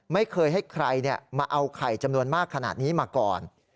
ไม่เคยให้ใครมาเอาไข่จำนวนมากขนาดนี้มาก่อน